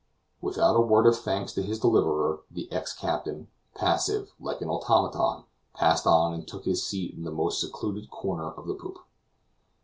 Without a word of thanks to his deliverer, the ex captain, passive, like an automaton, passed on and took his seat in the most secluded corner of the poop.